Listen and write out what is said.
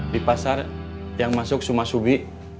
di pasar yang masuk sumasubi